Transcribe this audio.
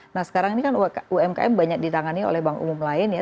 nah sekarang ini kan umkm banyak ditangani oleh bank umum lain ya